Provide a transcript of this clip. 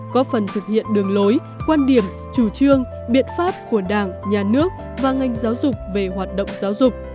có phần thực hiện đường lối quan điểm chủ trương biện pháp của đảng nhà nước và ngành giáo dục về hoạt động giáo dục